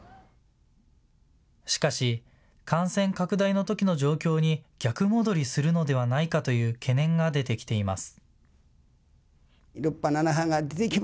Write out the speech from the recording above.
しかし、感染拡大のときの状況に逆戻りするのではないかという懸念が出てきています。